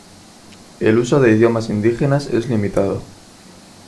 El uso de idiomas indígenas es limitado.